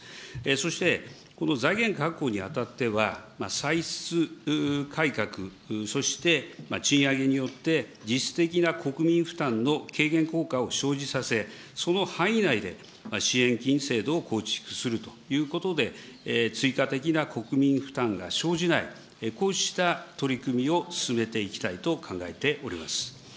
そしてこの財源確保に当たっては、歳出改革、そして賃上げによって実質的な国民負担の軽減効果を生じさせ、その範囲内で支援金制度を構築するということで、追加的な国民負担が生じない、こうした取り組みを進めていきたいと考えております。